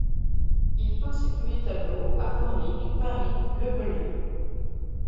Il peint ses premiers tableaux à Pornic, Paris, Le Pouldu.